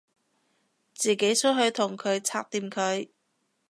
自己出去同佢拆掂佢